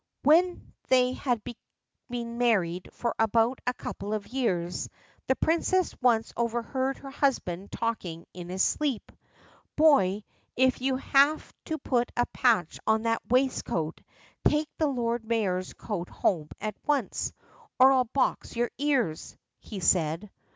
When they had been married for about a couple of years, the princess once overheard her husband talking in his sleep. "Boy, if you have put a patch on that waistcoat, take the Lord Mayor's coat home at once, or I'll box your ears," he said.